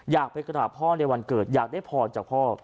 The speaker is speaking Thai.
อยากไปกราบพ่อในวันเกิดอยากได้พรจากพ่อ